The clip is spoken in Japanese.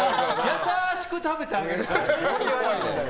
優しく食べてあげるから。